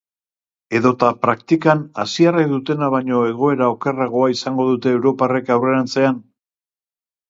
Edota, praktikan, asiarrek dutena baino egoera okerragoa izango dute europarrek aurrerantzean?